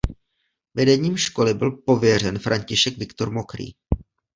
Vedením školy byl pověřen František Viktor Mokrý.